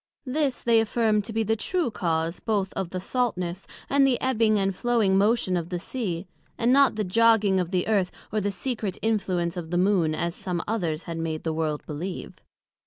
This they affirmed to be the true cause both of the saltness, and the ebbing and flowing motion of the Sea, and not the jogging of the Earth, or the secret influence of the Moon, as some others had made the World believe.